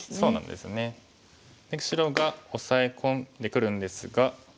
で白がオサエ込んでくるんですが。